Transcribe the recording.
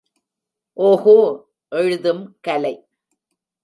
ஓகோ எழுதும் கலை.